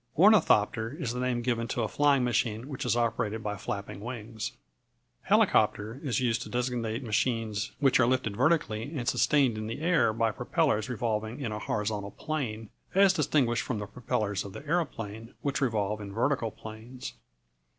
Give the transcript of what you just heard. Ornithopter is the name given to a flying machine which is operated by flapping wings. [Illustration: A parachute descending.] Helicopter is used to designate machines which are lifted vertically and sustained in the air by propellers revolving in a horizontal plane, as distinguished from the propellers of the aeroplane, which revolve in vertical planes.